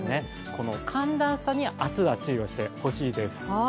この寒暖差に明日は注意をしてほしいです。